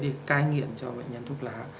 để cai nghiện cho bệnh nhân thuốc lá